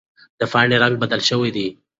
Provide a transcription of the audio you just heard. د پاڼې رنګ بدل شوی دی.